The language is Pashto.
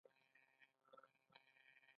د کیسه لیکوالو عمومي شکایت او ګیله وه.